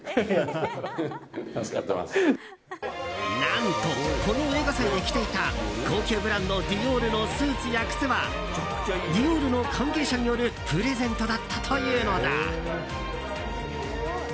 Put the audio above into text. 何と、この映画祭で着ていた高級ブランド、ディオールのスーツや靴はディオールの関係者によるプレゼントだったというのだ。